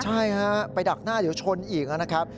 ใช่ฮะไปดักหน้าเดี๋ยวชนอีกนะครับ